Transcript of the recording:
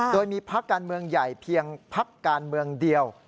โดยมีพักการเมืองใหญ่เพียงพักการเมืองเดียว